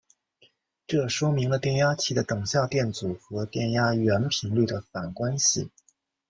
这说明了电压器的等效电阻和电压源频率的反关系。